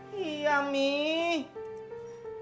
pipi sama bapak jalan sekarang